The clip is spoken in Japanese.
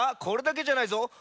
これだけじゃないぞ。